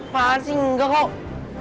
pasti enggak kok